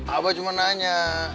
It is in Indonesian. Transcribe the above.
abah cuma nanya